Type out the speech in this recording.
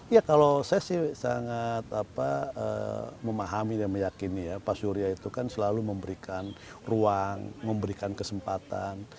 ya kalau saya sih sangat memahami dan meyakini ya pak surya itu kan selalu memberikan ruang memberikan kesempatan